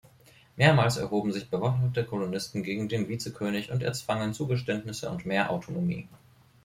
Mehrmals erhoben sich bewaffnete Kolonisten gegen den Vizekönig und erzwangen Zugeständnisse und mehr Autonomie.